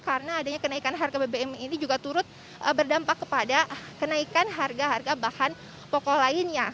karena adanya kenaikan harga bbm ini juga turut berdampak kepada kenaikan harga harga bahan pokok lainnya